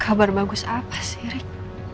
kabar bagus apa sih rik